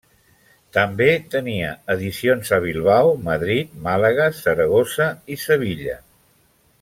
També tenia edicions a Bilbao, Madrid, Màlaga, Saragossa i Sevilla.